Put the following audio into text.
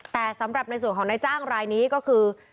แต่สำหรับในส่วนของนายจ้างรายนี้ก็คือ